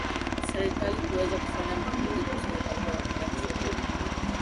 serikali kuweza kufanya maamuzi kuhusu mipango ya muda mfupi na